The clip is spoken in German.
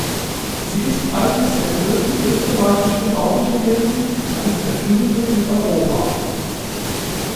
Sie ist eines der größten österreichischen Bauunternehmen und eines der führenden in Europa.